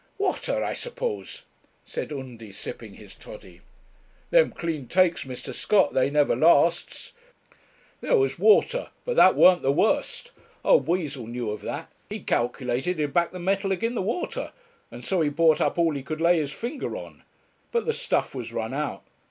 'Water, I suppose,' said Undy, sipping his toddy. 'Them clean takes, Mr. Scott, they never lasts. There was water, but that weren't the worst. Old Weazle knew of that; he calculated he'd back the metal agin the water, and so he bought all up he could lay his finger on. But the stuff was run out.